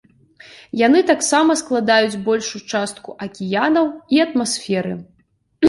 Яны таксама складаюць большую частку акіянаў і атмасферы.